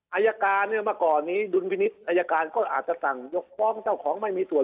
อายการเนี่ยเมื่อก่อนนี้ดุลพินิษฐ์อายการก็อาจจะสั่งยกฟ้องเจ้าของไม่มีส่วน